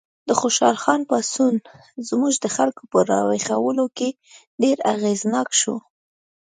د خوشحال خان پاڅون زموږ د خلکو په راویښولو کې ډېر اغېزناک شو.